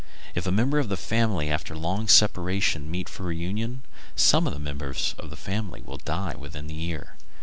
If members of a family, after long separation, meet for reunion, some one of the members will die within the year.